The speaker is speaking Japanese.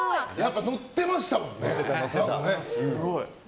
乗ってましたもんね。